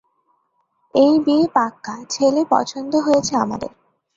এই বিয়ে পাক্কা। ছেলে পছন্দ হয়েছে আমাদের।